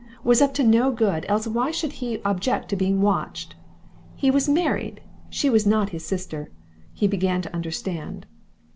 was up to no good, else why should he object to being watched? He was married! She was not his sister. He began to understand.